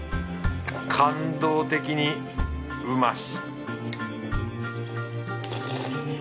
感動的にうまし